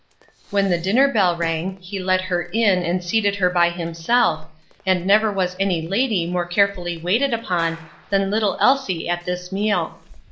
When the dinner bell rang he led her in, and seated her by himself, and never was any lady more carefully waited upon than little Elsie at this meal.